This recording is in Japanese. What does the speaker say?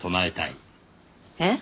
えっ？